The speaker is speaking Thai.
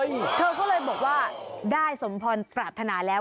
เธอก็เลยบอกว่าได้สมพรปรารถนาแล้ว